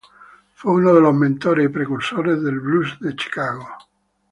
Fue uno de los mentores y precursores del blues de Chicago.